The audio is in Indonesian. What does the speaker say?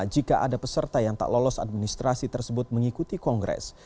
jika ada peserta yang tak lolos administrasi tersebut mengikuti kongres